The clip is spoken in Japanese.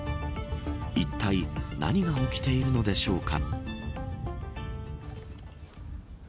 いったい何が起きているのでしょうか。